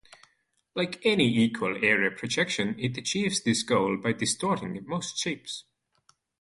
Like any equal-area projection, it achieves this goal by distorting most shapes.